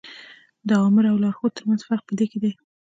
د آمر او لارښود تر منځ فرق په دې کې دی.